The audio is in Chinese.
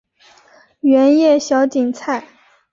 圆叶小堇菜